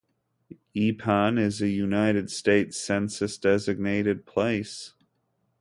Ipan is a United States Census- designated place.